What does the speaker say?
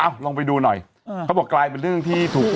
ลองไปดูหน่อยเขาบอกกลายเป็นเรื่องที่ถูก